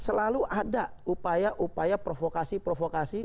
selalu ada upaya upaya provokasi provokasi